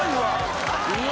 うわ。